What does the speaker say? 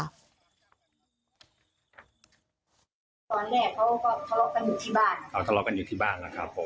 ตอนนี้เขาก็ทะเลาะกันอยู่ที่บ้าน